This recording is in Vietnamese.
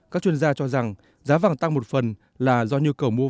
các chuyên gia cho rằng giá vàng tăng một phần là do nhu cầu mua vàng